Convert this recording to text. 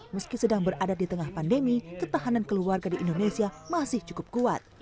meski sedang berada di tengah pandemi ketahanan keluarga di indonesia masih cukup kuat